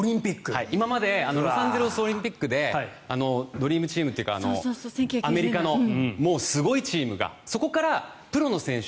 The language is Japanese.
今までロサンゼルスオリンピックでドリームチームというかアメリカのすごいチームがそこからプロの選手